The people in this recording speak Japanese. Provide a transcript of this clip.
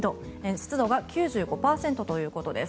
湿度が９５％ということです。